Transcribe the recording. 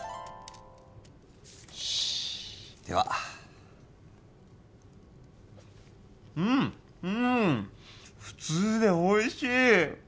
よしではうんうん普通でおいしい！